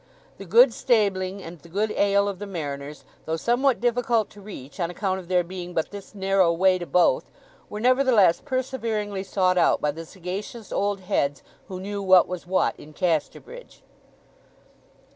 The good stabling and the good ale of the Mariners, though somewhat difficult to reach on account of there being but this narrow way to both, were nevertheless perseveringly sought out by the sagacious old heads who knew what was what in Casterbridge.